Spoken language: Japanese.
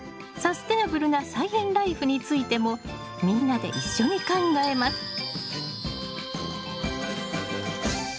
サステナブルな菜園ライフについてもみんなで一緒に考えます。